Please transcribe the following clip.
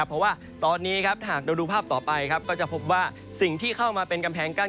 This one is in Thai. เพราะว่าตอนนี้ครับหากเราดูภาพต่อไปครับก็จะพบว่าสิ่งที่เข้ามาเป็นกำแพงกั้น